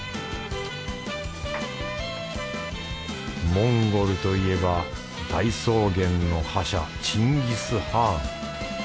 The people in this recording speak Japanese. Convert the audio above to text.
モンゴルといえば大草原の覇者チンギスハーン。